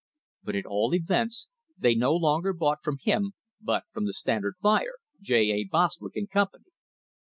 But at all events they ) longer bought from him but from the Standard buyer, A. Bostwick and Company.